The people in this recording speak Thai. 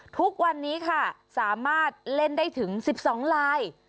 ทุกวันนี้ค่ะสามารถเล่นได้ถึง๑๒ลาย